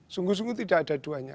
sungguh sungguh tidak ada duanya